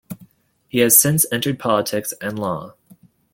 He has since entered politics and law.